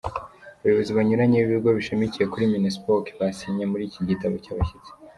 Abayobozi banyuranye b'ibigo bishamikiye kuri Minispoc basinye muri iki gitabo cy'abashyitsi.